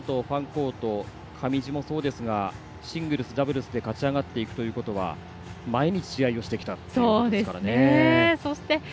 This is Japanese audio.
デフロート、ファンコート上地もそうですがシングルス、ダブルスで勝ち上がっていくということは毎日試合をしてきたということですから。